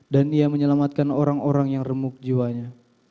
dan ia menyelamatkan orang orang yang remuk jiwanya